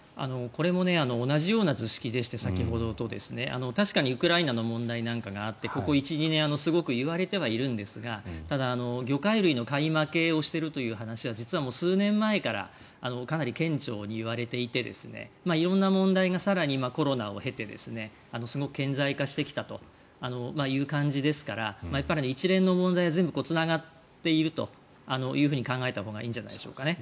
これも先ほどと同じような図式でして確かにウクライナの問題とかがあってここ１２年すごく言われてはいるんですが魚介類の買い負けをしているという話は実は数年前からかなり顕著に言われていて色んな問題が更に今、コロナを経て顕在化してきたという感じですから一連の問題は全部つながっているというふうに考えたほうがいいんじゃないでしょうかね。